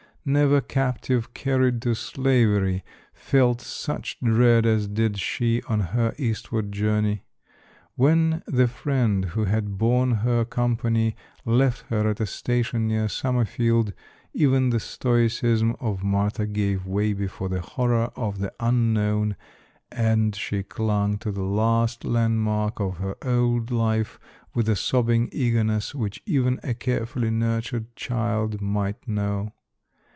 Never captive carried to slavery felt such dread as did she on her eastward journey. When the friend who had borne her company left her at a station near Summerfield, even the stoicism of Martha gave way before the horror of the unknown and she clung to the last landmark of her old life, with a sobbing eagerness, which even a carefully nurtured child might know.